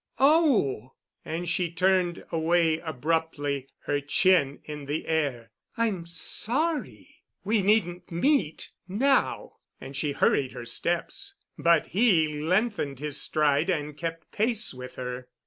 "Oh!" and she turned away abruptly, her chin in the air, "I'm sorry. We needn't meet now," and she hurried her steps. But he lengthened his stride and kept pace with her.